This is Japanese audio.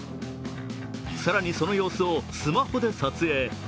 更にその様子をスマホで撮影。